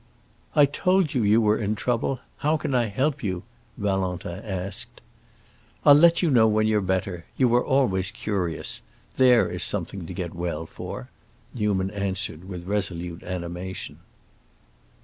"I told you you were in trouble! How can I help you?" Valentin asked. "I'll let you know when you are better. You were always curious; there is something to get well for!" Newman answered, with resolute animation.